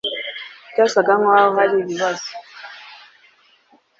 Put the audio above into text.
Byasaga nkaho hari ikibazo